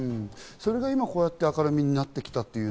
それが今こうやって明るみになってきた。